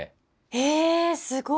へえすごい。